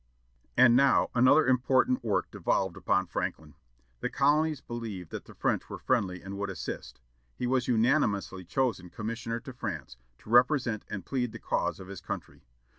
And now another important work devolved upon Franklin. The colonies believed that the French were friendly and would assist. He was unanimously chosen commissioner to France, to represent and plead the cause of his country.